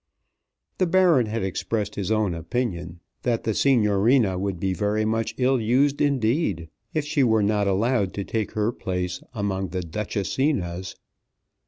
The Baron had expressed his own opinion that the Signorina would be very much ill used indeed if she were not allowed to take her place among the Duchessinas.